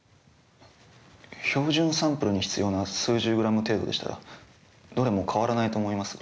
標準サンプルに必要な数十グラム程度でしたらどれも変わらないと思いますが。